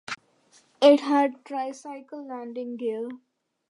It had tricycle landing gear.